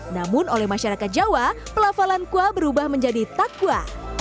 namun oleh masyarakat jawa pelafalan kuah berubah menjadi takwa